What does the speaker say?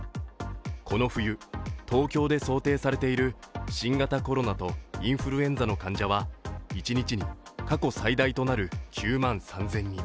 この冬、東京で想定されている新型コロナとインフルエンザの患者は一日に過去最大となる９万３０００人。